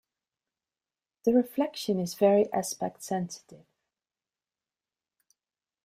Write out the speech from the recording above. The reflection is very aspect sensitive.